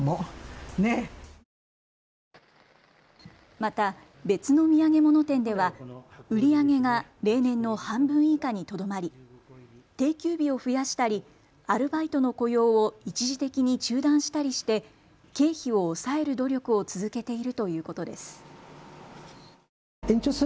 また別の土産物店では売り上げが例年の半分以下にとどまり定休日を増やしたり、アルバイトの雇用を一時的に中断したりして経費を抑える努力を続けているということです。